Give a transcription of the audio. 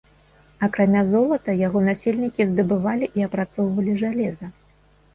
Акрамя золата яго насельнікі здабывалі і апрацоўвалі жалеза.